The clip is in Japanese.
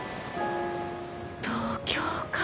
東京か。